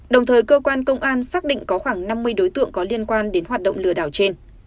đồng thời cơ quan công an xác định có khoảng năm mươi đối tượng có liên quan đến hoạt động lừa đảo trên